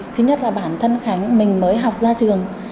thứ nhất là bản thân khánh mình mới học ra trường